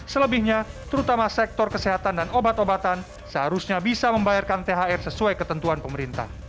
selebihnya terutama sektor kesehatan dan obat obatan seharusnya bisa membayarkan thr sesuai ketentuan pemerintah